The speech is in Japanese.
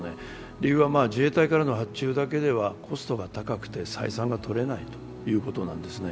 理由は自衛隊からの発注だけではコストが高くて採算が取れないということなんですね。